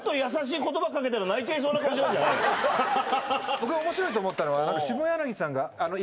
僕が面白いと思ったのは。